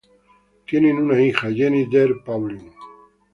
Tienen una hija, Jenny Dare Paulin.